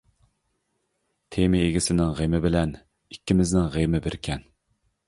تېما ئىگىسىنىڭ غېمى بىلەن ئىككىمىزنىڭ غېمى بىركەن.